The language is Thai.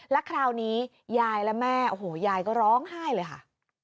แล้วคราวนี้ยายและแม่โอ้โหยายก็ร้องไห้เลยค่ะ